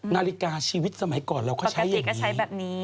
นาฬิกาชีวิตสมัยก่อนเราก็ใช้อย่างนี้